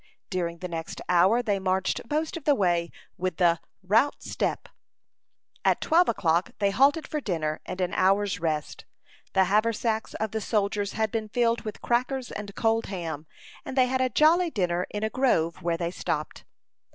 During the next hour they marched most of the way with the "route step." At twelve o'clock they halted for dinner and an hour's rest. The haversacks of the soldiers had been filled with crackers and cold ham, and they had a jolly dinner in a grove where they stopped.